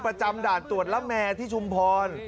ประจำด่านตรวจละแมที่ชุมพร